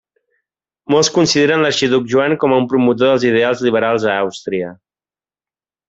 Molts consideren l'arxiduc Joan com un promotor dels ideals liberals a Àustria.